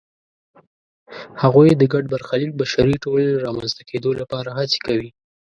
هغوی د ګډ برخلیک بشري ټولنې رامنځته کېدو لپاره هڅې کوي.